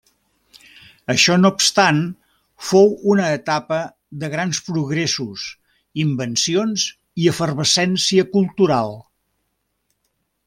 Això no obstant, fou una etapa de grans progressos, invencions i efervescència cultural.